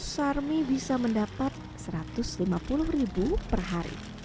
sarmi bisa mendapat satu ratus lima puluh ribu per hari